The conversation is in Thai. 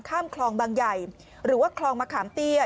ข้ามคลองบางใหญ่หรือว่าคลองมะขามเตี้ย